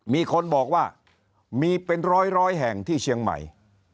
มีคนบอกว่ามีเป็นร้อยแห่งที่เชียงใหม่